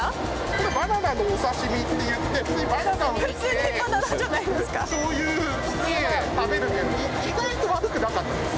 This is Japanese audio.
これバナナのお刺身っていって普通にバナナを切って普通にバナナじゃないですか・醤油で食べるという意外と悪くなかったです